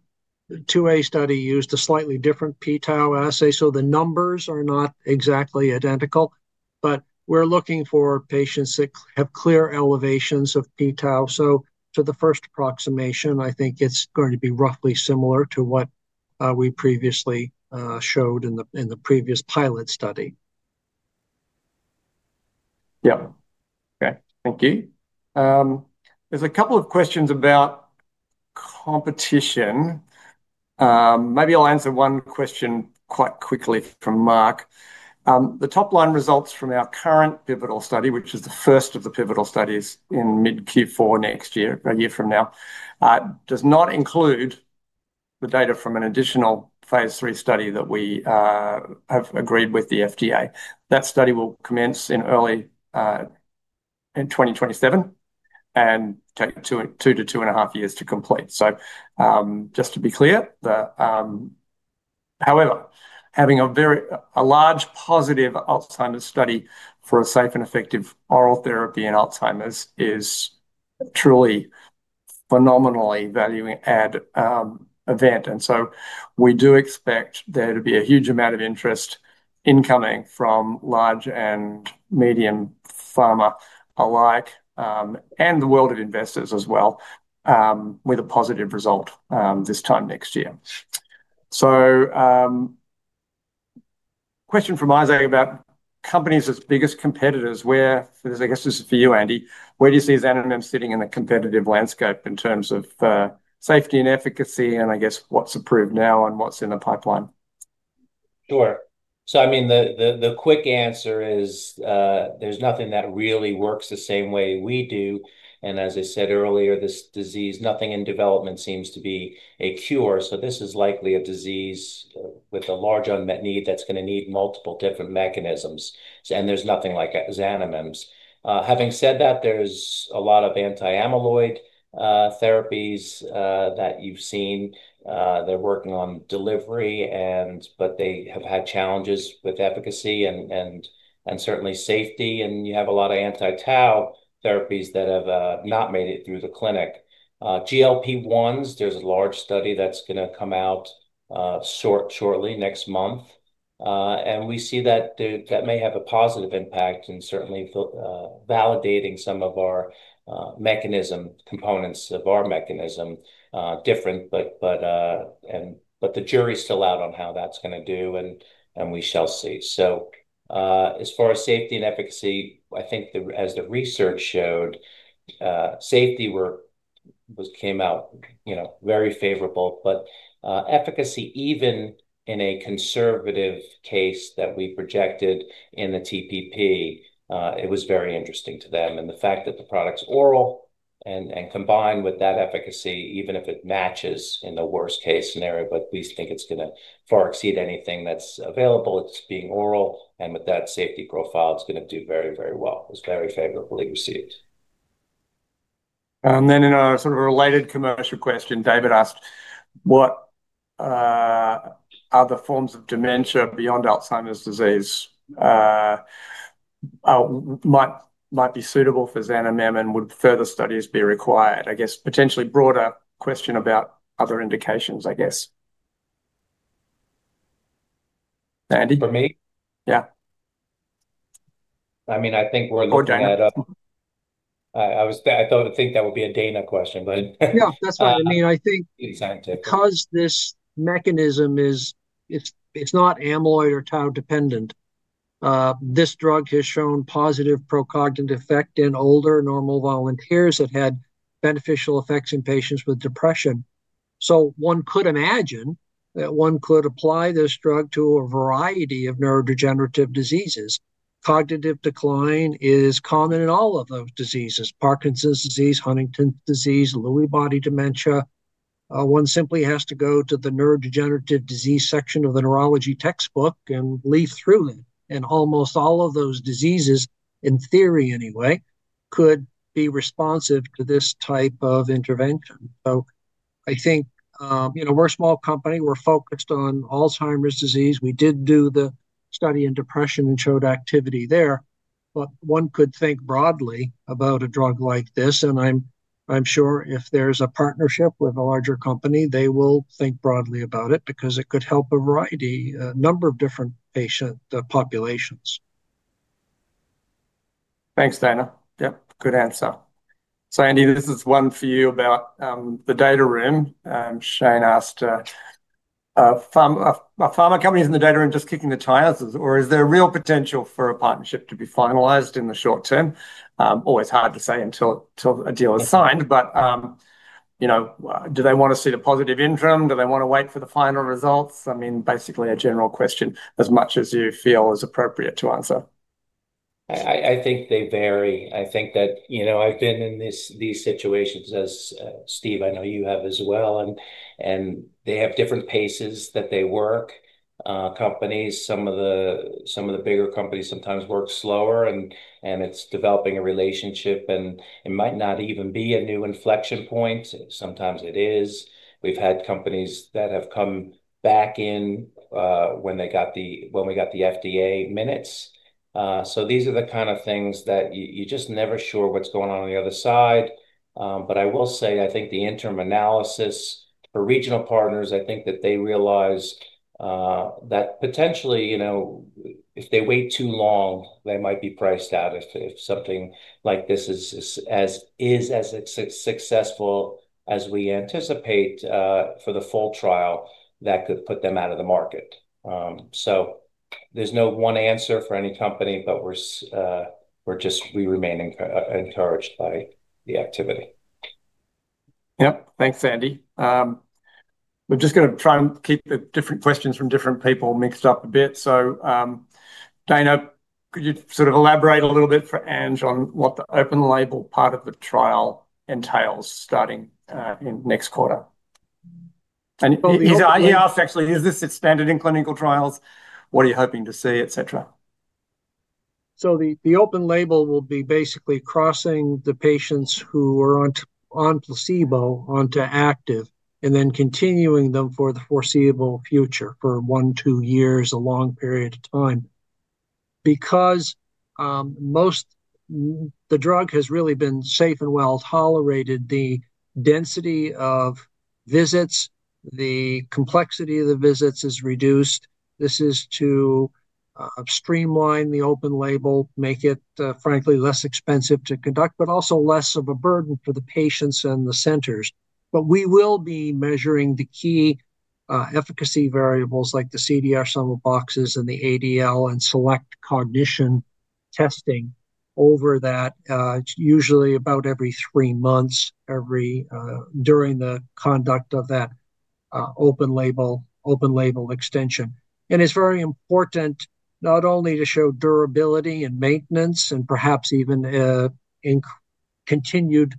II-A study used a slightly different pTau assay, so the numbers are not exactly identical. We're looking for patients that have clear elevations of pTau. To the first approximation, I think it's going to be roughly similar to what we previously showed in the previous pilot study. Yeah. Okay. Thank you. There's a couple of questions about competition. Maybe I'll answer one question quite quickly from Mark. The top line results from our current pivotal study, which is the first of the pivotal studies in mid-Q4 next year, a year from now, does not include the data from an additional phase III study that we have agreed with the US Food and Drug Administration. That study will commence in early 2027 and take two to two and a half years to complete. Just to be clear, however, having a very large positive Alzheimer's study for a safe and effective oral therapy in Alzheimer's is truly a phenomenally valuing event. We do expect there to be a huge amount of interest incoming from large and medium pharma alike and the world of investors as well with a positive result this time next year. Question from Isaac about companies as biggest competitors, where, I guess this is for you, Andrew, where do you see Xanamem® sitting in the competitive landscape in terms of safety and efficacy? I guess what's approved now and what's in the pipeline? Sure. The quick answer is there's nothing that really works the same way we do. As I said earlier, this disease, nothing in development seems to be a cure. This is likely a disease with a large unmet need that's going to need multiple different mechanisms. There's nothing like Xanamem®'s. Having said that, there's a lot of anti-amyloid therapies that you've seen. They're working on delivery, but they have had challenges with efficacy and certainly safety. You have a lot of anti-Tau therapies that have not made it through the clinic. GLP-1s, there's a large study that's going to come out shortly next month. We see that that may have a positive impact in certainly validating some of our mechanism, components of our mechanism different. The jury's still out on how that's going to do, and we shall see. As far as safety and efficacy, I think as the research showed, safety came out very favorable. Efficacy, even in a conservative case that we projected in the TPP, it was very interesting to them. The fact that the product's oral and combined with that efficacy, even if it matches in the worst-case scenario, but we think it's going to far exceed anything that's available, it's being oral. With that safety profile, it's going to do very, very well. It was very favorably received. In a sort of a related commercial question, David asked, what other forms of dementia beyond Alzheimer’s disease might be suitable for Xanamem®, and would further studies be required? I guess potentially a broader question about other indications, I guess. Andrew? For me? Yeah. I think we're looking at. Or Dana? I thought that would be a Dana question. No, that's fine. I mean, I think because this mechanism is, it's not amyloid or Tau dependent, this drug has shown positive procognitive effect in older normal volunteers that had beneficial effects in patients with depression. One could imagine that one could apply this drug to a variety of neurodegenerative diseases. Cognitive decline is common in all of those diseases: Parkinson's disease, Huntington's disease, Lewy body dementia. One simply has to go to the neurodegenerative disease section of the neurology textbook and leaf through it. Almost all of those diseases, in theory anyway, could be responsive to this type of intervention. I think, you know, we're a small company. We're focused on Alzheimer's disease. We did do the study in depression and showed activity there. One could think broadly about a drug like this. I'm sure if there's a partnership with a larger company, they will think broadly about it because it could help a variety, a number of different patient populations. Thanks, Dana. Yeah, good answer. Andy, this is one for you about the data room. Shane asked, "Are pharma companies in the data room just kicking the tires, or is there real potential for a partnership to be finalized in the short term?" It's always hard to say until a deal is signed. Do they want to see the positive interim? Do they want to wait for the final results? Basically a general question, as much as you feel is appropriate to answer. I think they vary. I think that, you know, I've been in these situations, as Steve, I know you have as well. They have different paces that they work. Companies, some of the bigger companies sometimes work slower, and it's developing a relationship. It might not even be a new inflection point. Sometimes it is. We've had companies that have come back in when we got the FDA minutes. These are the kind of things that you're just never sure what's going on on the other side. I will say, I think the interim analysis for regional partners, I think that they realize that potentially, you know, if they wait too long, they might be priced out if something like this is as successful as we anticipate for the full trial. That could put them out of the market. There's no one answer for any company, but we remain encouraged by the activity. Yeah. Thanks, Andy. We're just going to try and keep the different questions from different people mixed up a bit. Dana, could you sort of elaborate a little bit for Ange on what the open label part of the trial entails starting in next quarter? He asked, actually, is this expanded in clinical trials? What are you hoping to see, etc.? The open label will be basically crossing the patients who are on placebo onto active and then continuing them for the foreseeable future for one, two years, a long period of time. Because the drug has really been safe and well tolerated, the density of visits, the complexity of the visits is reduced. This is to streamline the open label, make it frankly less expensive to conduct, but also less of a burden for the patients and the centers. We will be measuring the key efficacy variables like the CDR sum of boxes and the ADL and select cognition testing over that, usually about every three months during the conduct of that open label extension. It is very important not only to show durability and maintenance and perhaps even a continued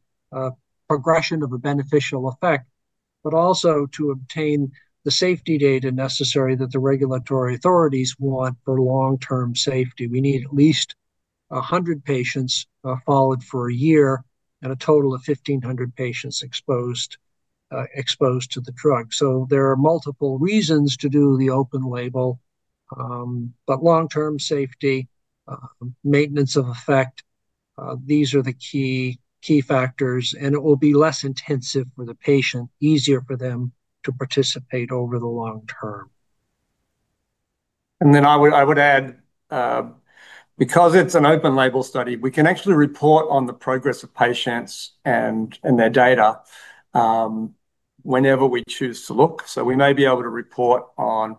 progression of a beneficial effect, but also to obtain the safety data necessary that the regulatory authorities want for long-term safety. We need at least 100 patients followed for a year and a total of 1,500 patients exposed to the drug. There are multiple reasons to do the open label. Long-term safety, maintenance of effect, these are the key factors. It will be less intensive for the patient, easier for them to participate over the long term. I would add, because it's an open label study, we can actually report on the progress of patients and their data whenever we choose to look. We may be able to report on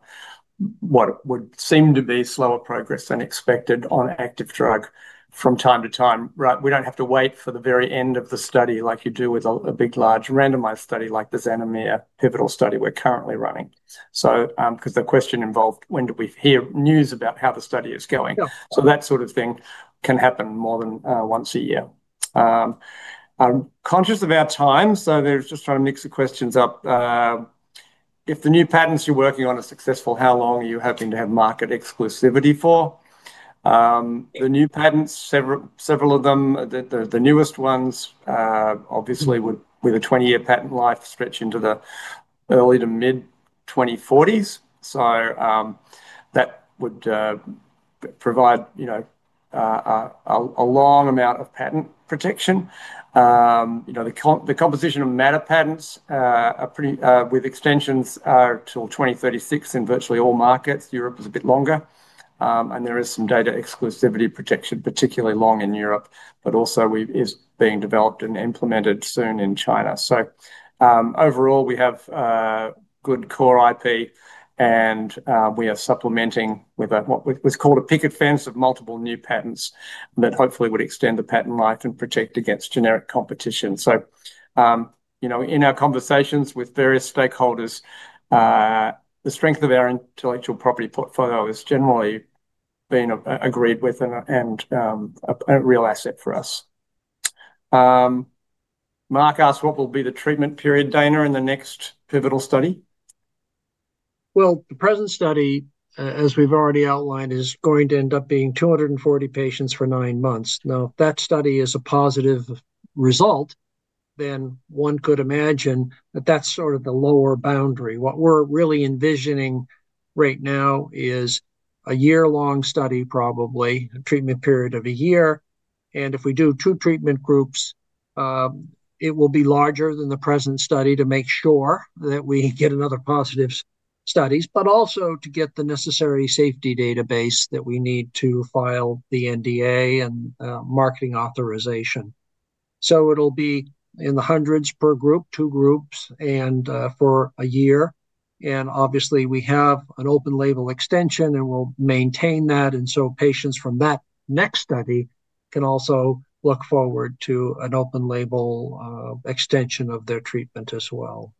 what would seem to be slower progress than expected on active drug from time to time. We don't have to wait for the very end of the study like you do with a big, large randomized study like the Xanamem® pivotal study we're currently running. Because the question involved when do we hear news about how the study is going, that sort of thing can happen more than once a year. I'm conscious of our time, so just trying to mix the questions up. If the new patents you're working on are successful, how long are you hoping to have market exclusivity for? The new patents, several of them, the newest ones obviously would be the 20-year patent life stretching to the early to mid-2040s. That would provide a long amount of patent protection. The composition of matter patents with extensions till 2036 in virtually all markets. Europe is a bit longer. There is some data exclusivity protection, particularly long in Europe, but also is being developed and implemented soon in China. Overall, we have good core IP, and we are supplementing with what was called a picket fence of multiple new patents that hopefully would extend the patent life and protect against generic competition. In our conversations with various stakeholders, the strength of our intellectual property portfolio has generally been agreed with and a real asset for us. Mark asked, what will be the treatment period, Dana, in the next pivotal study? The present study, as we've already outlined, is going to end up being 240 patients for nine months. If that study is a positive result, then one could imagine that that's sort of the lower boundary. What we're really envisioning right now is a year-long study, probably a treatment period of a year. If we do two treatment groups, it will be larger than the present study to make sure that we get another positive study, but also to get the necessary safety database that we need to file the NDA and marketing authorization. It'll be in the hundreds per group, two groups, and for a year. Obviously, we have an open label extension, and we'll maintain that. Patients from that next study can also look forward to an open label extension of their treatment as well.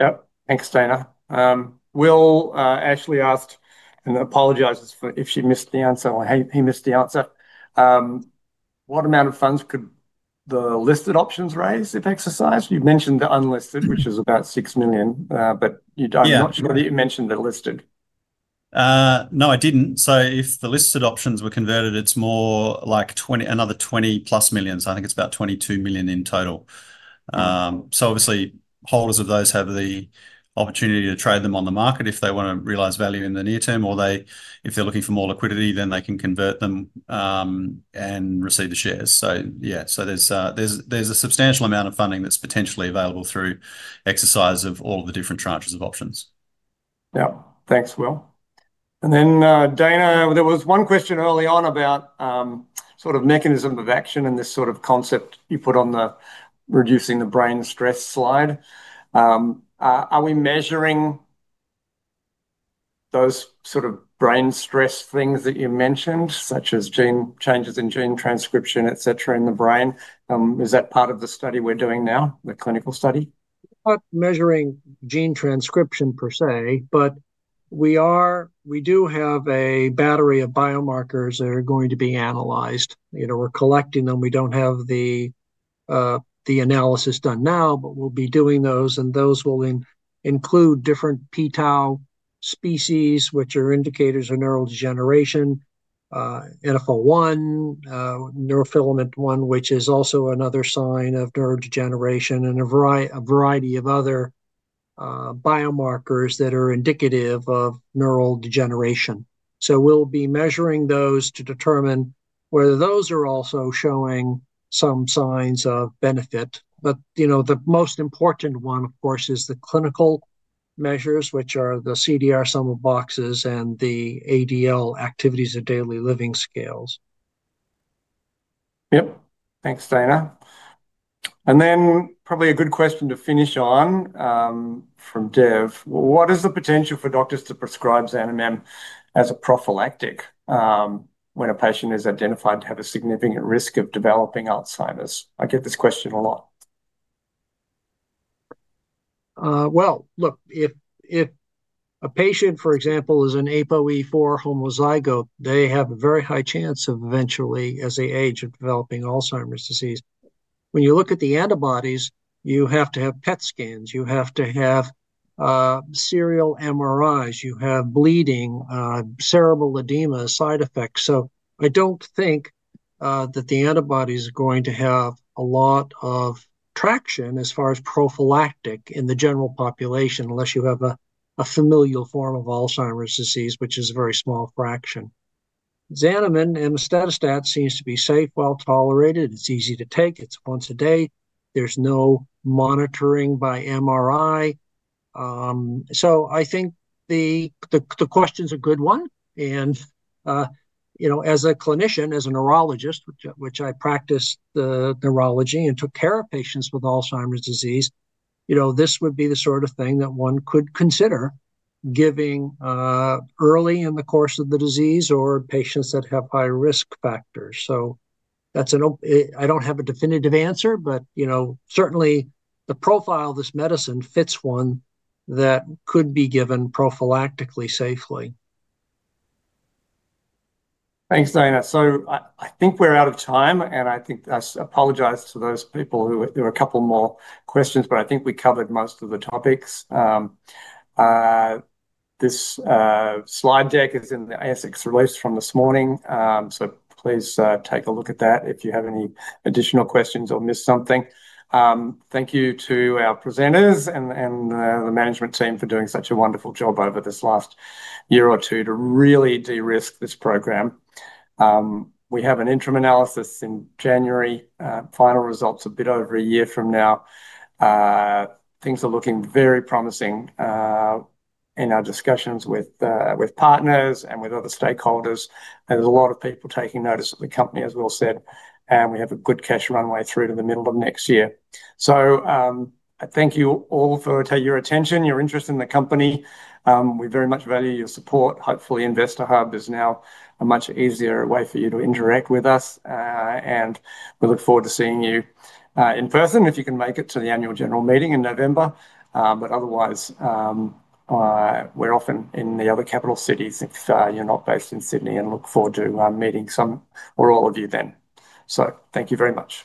Yeah. Thanks, Dana. Will, Ashley asked, and apologizes if she missed the answer or he missed the answer, what amount of funds could the listed options raise if exercised? You mentioned the unlisted, which is about 6 million, but I'm not sure that you mentioned the listed. No, I didn't. If the listed options were converted, it's more like another 20 million+. I think it's about 22 million in total. Obviously, holders of those have the opportunity to trade them on the market if they want to realize value in the near term, or if they're looking for more liquidity, they can convert them and receive the shares. There's a substantial amount of funding that's potentially available through exercise of all of the different tranches of options. Yeah. Thanks, Will. Dana, there was one question early on about sort of mechanisms of action and this sort of concept you put on the reducing the brain stress slide. Are we measuring those sort of brain stress things that you mentioned, such as gene changes in gene transcription, etc., in the brain? Is that part of the study we're doing now, the clinical study? Not measuring gene transcription per se, but we do have a battery of biomarkers that are going to be analyzed. We're collecting them. We don't have the analysis done now, but we'll be doing those. Those will include different pTau species, which are indicators of neurodegeneration, NFL1, neurofilament 1, which is also another sign of neurodegeneration, and a variety of other biomarkers that are indicative of neurodegeneration. We'll be measuring those to determine whether those are also showing some signs of benefit. The most important one, of course, is the clinical measures, which are the CDR sum of boxes and the ADL, activities of daily living scales. Yeah. Thanks, Dana. Probably a good question to finish on from Dev. What is the potential for doctors to prescribe Xanamem® as a prophylactic when a patient is identified to have a significant risk of developing Alzheimer's? I get this question a lot. If a patient, for example, is an APOE4 homozygote, they have a very high chance of eventually, as they age, of developing Alzheimer’s disease. When you look at the antibodies, you have to have PET scans. You have to have serial MRIs. You have bleeding, cerebral edema, side effects. I don’t think that the antibodies are going to have a lot of traction as far as prophylactic in the general population unless you have a familial form of Alzheimer’s disease, which is a very small fraction. Xanamem® and emestedastat seem to be safe, well tolerated. It’s easy to take. It’s once a day. There’s no monitoring by MRI. I think the question’s a good one. As a clinician, as a neurologist, which I practice the neurology and took care of patients with Alzheimer’s disease, this would be the sort of thing that one could consider giving early in the course of the disease or patients that have high risk factors. That’s an open. I don’t have a definitive answer, but certainly the profile of this medicine fits one that could be given prophylactically safely. Thanks, Dana. I think we're out of time, and I apologize to those people who, there were a couple more questions, but I think we covered most of the topics. This slide deck is in the ASX release from this morning. Please take a look at that if you have any additional questions or missed something. Thank you to our presenters and the management team for doing such a wonderful job over this last year or two to really de-risk this program. We have an interim analysis in January. Final results are a bit over a year from now. Things are looking very promising in our discussions with partners and with other stakeholders. There's a lot of people taking notice of the company, as Will said. We have a good cash runway through to the middle of next year. I thank you all for your attention, your interest in the company. We very much value your support. Hopefully, Investor Hub is now a much easier way for you to interact with us. We look forward to seeing you in person if you can make it to the annual general meeting in November. Otherwise, we're often in the other capital cities if you're not based in Sydney, and look forward to meeting some or all of you then. Thank you very much.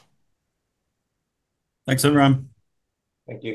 Thanks, everyone. Thank you.